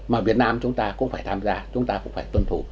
mà việt nam chúng ta cũng phải tham gia chúng ta cũng phải tuân thủ